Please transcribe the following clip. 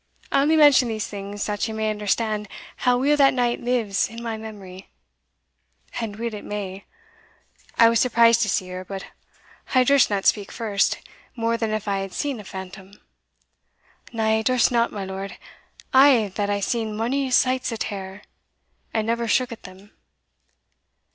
I only mention these things that you may understand how weel that night lives in my memory, and weel it may. I was surprised to see her, but I durstna speak first, mair than if I had seen a phantom Na, I durst not, my lord, I that hae seen mony sights of terror, and never shook at them.